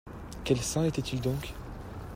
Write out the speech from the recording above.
Quels saints étaient-ils donc?